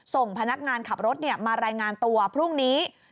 ส่งพนักงานขับรถมารายงานตัวพรุ่งนี้